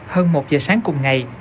hơn một giờ sáng cùng ngày